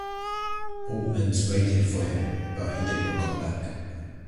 Oltmans waited for him but he did not come back.